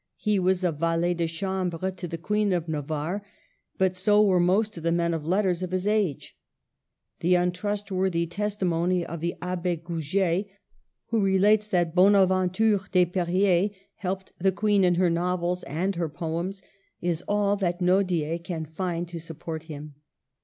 He was a valet de chainbreX.0 the Queen of Navarre, but so were most of the men of letters of his age. The un trustworthy testimony of the Abbe Goujet, who relates that Bonaventure Desperriers helped the Qu«een in her novels and her poems, is all that Nodier can find to support him.